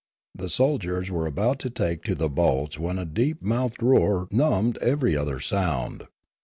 The soldiers were about to take to the boats when a deeper mouthed roar numbed every other sound.